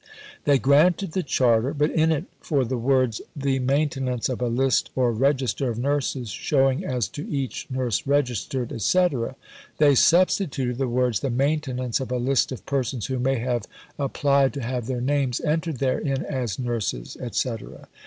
They granted the Charter; but in it for the words "the maintenance of a list or register of nurses, showing as to each nurse registered," etc., they substituted the words "the maintenance of a list of persons who may have applied to have their names entered therein as nurses," etc.